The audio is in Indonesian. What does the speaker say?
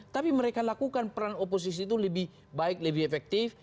tapi mereka lakukan peran oposisi itu lebih baik lebih efektif